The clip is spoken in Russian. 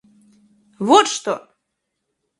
Вот что!